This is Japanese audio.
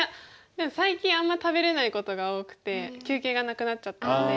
でも最近あんまり食べれないことが多くて休憩がなくなっちゃったので。